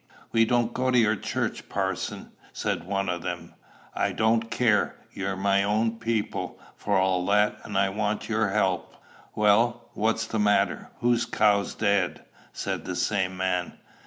"We don't go to your church, parson," said one of them. "I don't care; you're my own people, for all that, and I want your help." "Well, what's the matter? Who's cow's dead?" said the same man.